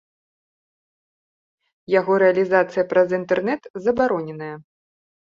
Яго рэалізацыя праз інтэрнэт забароненая.